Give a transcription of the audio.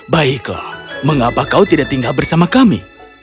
baiklah mengapa kau tidak tinggal bersama kami